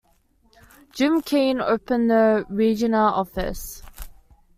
Jim Keen opened the Regina office.